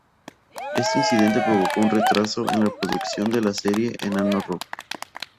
Este incidente provocó un retraso en la producción de la serie Enano Rojo